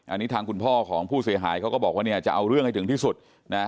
อันนี้ทางคุณพ่อของผู้เสียหายเขาก็บอกว่าเนี่ยจะเอาเรื่องให้ถึงที่สุดนะ